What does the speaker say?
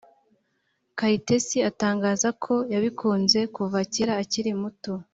Kayitesi atangaza ko yabikunze kuva kera akiri muto